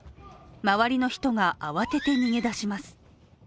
周りの人が慌てて逃げ出します。